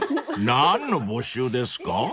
［何の募集ですか？］